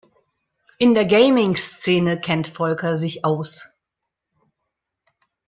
In der Gaming-Szene kennt Volker sich aus.